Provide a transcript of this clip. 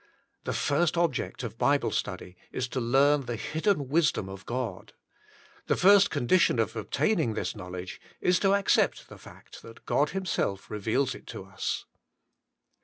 The first object of Bible study is to learn the hid den wisdom of God. The first condition of obtain ing this knowledge, is to accept the fact that God Himself reveals it to us.